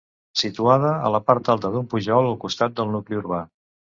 Situada a la part alta d'un pujol al costat del nucli urbà.